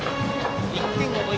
１点を追う